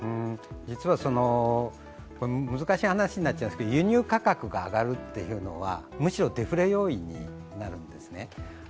実は難しい話になっちゃうんですが輸入価格が上がるというのはむしろデフレ要因になるんですね。